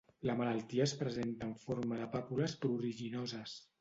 La malaltia es presenta en forma de pàpules pruriginoses.